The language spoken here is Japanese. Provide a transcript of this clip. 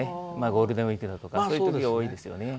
ゴールデンウイークとかそういうときは多いですよね。